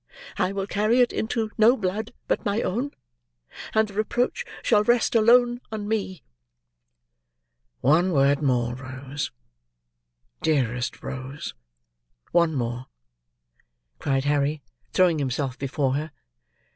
I will carry it into no blood but my own; and the reproach shall rest alone on me." "One word more, Rose. Dearest Rose! one more!" cried Harry, throwing himself before her.